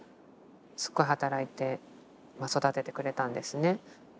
すっごい働いて育ててくれたんですね。